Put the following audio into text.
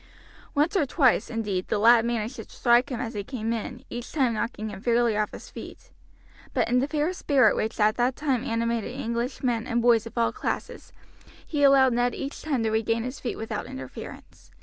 Once or twice, indeed, the lad managed to strike him as he came in, each time knocking him fairly off his feet; but in the fair spirit which at that time animated English men and boys of all classes he allowed Ned each time to regain his feet without interference.